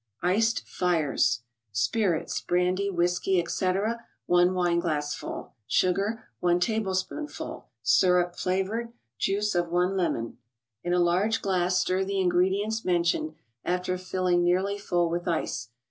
31cc& tffreu. Spirits (brandy, whiskey, etc.), i wineglassful; Sugar, i tablespoonful; Syrup (flavored), Juice of one lemon, In a large glass stir the ingredients mentioned, after filling nearly full with ice.